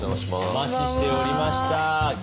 お待ちしておりました。